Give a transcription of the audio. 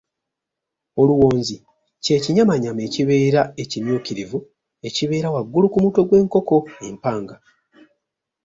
Oluwonzi kye kinyamanyama ekibeera ekimyukirivu ekibeera waggulu ku mutwe gw’enkoko empanga.